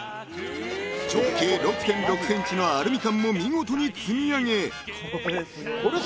［直径６．６ｃｍのアルミ缶も見事に積み上げ］